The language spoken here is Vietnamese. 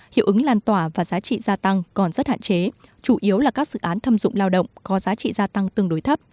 hiệu ứng lan tỏa và giá trị gia tăng còn rất hạn chế chủ yếu là các dự án thâm dụng lao động có giá trị gia tăng tương đối thấp